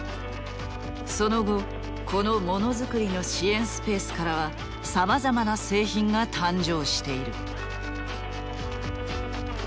その後このモノづくりの支援スペースからはさまざまな製品が誕生している。